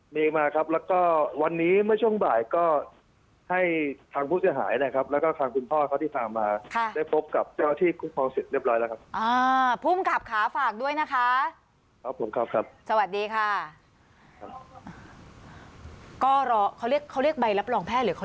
มีมาครับแล้วก็วันนี้เมื่อช่วงบ่ายก็ให้ทางผู้เสียหายนะครับแล้วก็ทางคุณพ่อเขาที่พามาได้พบกับเจ้าที่คุ้มครองสิทธิ์เรียบร้อยแล้วครับ